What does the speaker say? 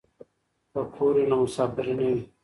که کور وي نو مسافري نه وي.